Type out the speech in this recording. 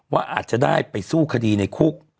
ว่าอาจจะได้ไปสู้คดีในคุก